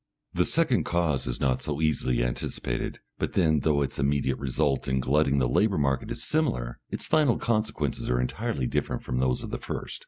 The second cause is not so easily anticipated, but then, though its immediate result in glutting the labour market is similar, its final consequences are entirely different from those of the first.